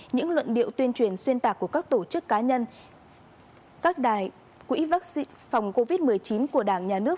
những luận điệu tuyên truyền xuyên tạc của các tổ chức cá nhân các đài quỹ vaccine phòng covid một mươi chín của đảng nhà nước